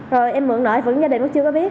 rồi em mượn nợ vẫn gia đình nó chưa có biết